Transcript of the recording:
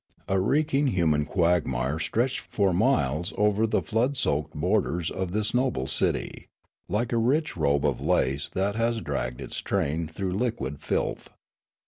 A reeking human quagmire stretched for miles over the flood soaked borders of this noble city, like a rich robe of lace that has dragged its train through liquid filth.